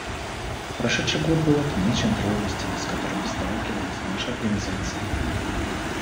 Прошедший год был отмечен трудностями, с которыми сталкивалась наша Организация.